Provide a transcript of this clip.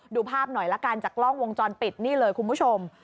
ดูภาพหน่อยละกันจากกล้องวงจรปิดนี่เลยคุณผู้ชม